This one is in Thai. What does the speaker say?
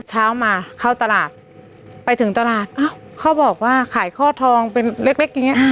เช้ามาเข้าตลาดไปถึงตลาดอ้าวเขาบอกว่าขายข้อทองเป็นเล็กเล็กอย่างเงี้